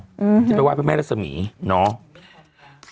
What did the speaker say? จะไปว่าพระแม่รัฐสมีย์เนาะ